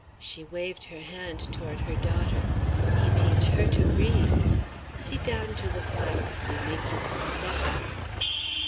She waved her hand toward her daughter. "He teach her to read. Seet down to the fire; we make you some sopper."